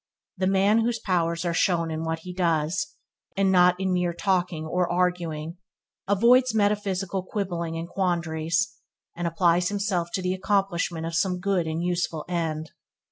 The man whose powers are shown in what he does, and not in mere talking are arguing, avoids metaphysical quibbling and quandaries, and applies himself to the accomplishment of some good and useful end.